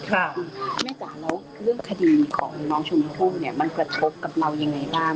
เรื่องคดีของน้องชวนโคปเนี่ยมันประทบกับกับเรายังไงบ้าง